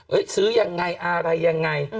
ซื้อยังไงอะไรยังไง